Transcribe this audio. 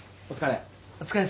お疲れ。